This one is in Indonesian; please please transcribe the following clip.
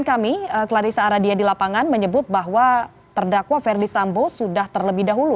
dan kami clarissa aradia di lapangan menyebut bahwa terdakwa verdi sambo sudah terlebih dahulu